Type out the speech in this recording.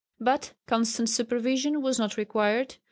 But constant supervision was not required.